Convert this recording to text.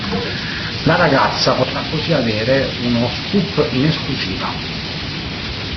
La ragazza potrà così avere uno scoop in esclusiva.